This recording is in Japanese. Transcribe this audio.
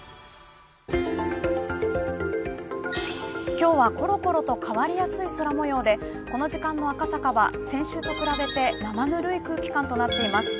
今日はころころと変わりやすい空もようで、この時間の赤坂は先週と比べてなまぬるい空気感となっています。